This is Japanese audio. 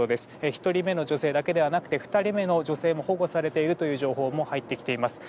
１人目の女性だけではなくて２人目の女性も保護されているという情報も入ってきています。